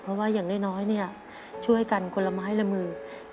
เพราะว่าอย่างน้อยเนี่ยช่วยกันคนละไม้ละมือ